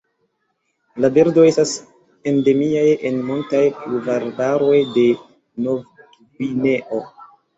La birdoj estas endemiaj en montaj pluvarbaroj de Novgvineo.